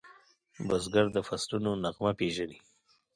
بزګر د فصلونو نغمه پیژني